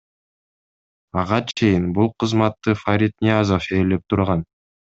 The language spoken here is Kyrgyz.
Ага чейин бул кызматты Фарид Ниязов ээлеп турган.